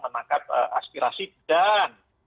menangkap aspirasi dan